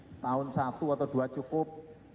setahun satu atau dua cukup